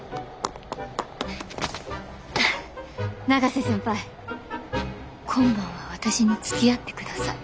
永瀬先輩今晩は私につきあってください。